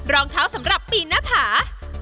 รองเท้าสำหรับปีนหน้าผา